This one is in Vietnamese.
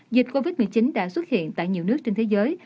dịch covid một mươi chín đã xuất hiện tại nhiều nước trên thế giới